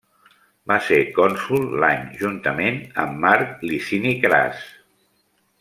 Va ser cònsol l'any juntament amb Marc Licini Cras.